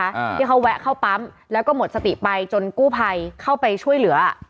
อ่าที่เขาแวะเข้าปั๊มแล้วก็หมดสติไปจนกู้ภัยเข้าไปช่วยเหลือ